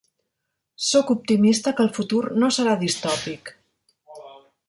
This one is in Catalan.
Sóc optimista que el futur no serà distòpic.